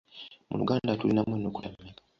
Mu Luganda tulinamu ennukuta mmeka?